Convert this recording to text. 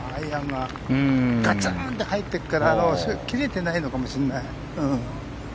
がつーん！って入っていくから切れてないのかもしれない。